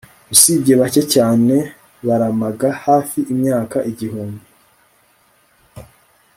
usibye bake cyane baramaga hafi imyaka igihumbi